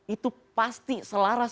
itu pasti selara